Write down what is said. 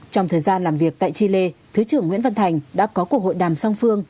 trong thời gian làm việc tại chile thứ trưởng nguyễn văn thành đã có cuộc hội đàm song phương